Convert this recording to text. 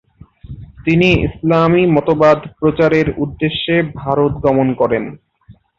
তিনি ইসলামী মতবাদ প্রচারের উদ্দেশ্যে ভারত গমন করেন।